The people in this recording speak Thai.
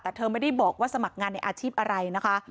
แต่เธอไม่ได้บอกว่าสมัครงานในอาชีพอะไรนะคะ